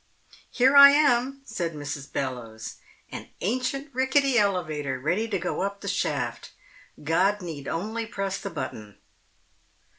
"Here I am," said Mrs. Bellowes, "an ancient rickety elevator, ready to go up the shaft. God need only press the button."